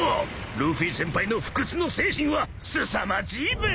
ルフィ先輩の不屈の精神はすさまじいべ！］